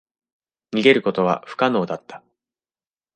逃げることは不可能だった。